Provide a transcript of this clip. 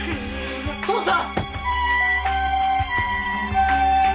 父さん！